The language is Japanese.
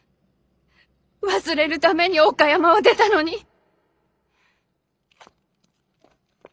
忘れるために岡山を出たのに。